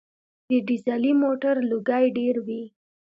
د ډیزلي موټر لوګی ډېر وي.